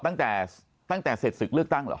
ที่ไม่มีนิวบายในการแก้ไขมาตรา๑๑๒